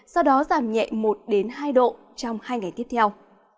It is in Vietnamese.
sau đó giảm nhẹ một hai độ trong hai ngày tiếp theo